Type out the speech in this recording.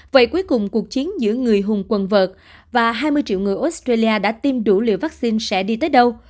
vậy cuối cùng cuộc chiến giữa người hùng quần vợt và hai mươi triệu người australia đã tiêm đủ liều vaccine sẽ đi tới đâu